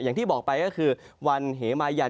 อย่างที่บอกไปก็คือวันเหมายัน